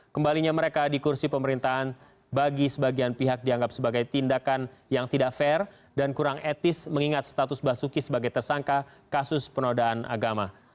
kembalinya mereka di kursi pemerintahan bagi sebagian pihak dianggap sebagai tindakan yang tidak fair dan kurang etis mengingat status basuki sebagai tersangka kasus penodaan agama